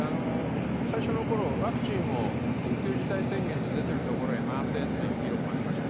最初はワクチンは緊急事態宣言が出ているところに回せという議論もありました。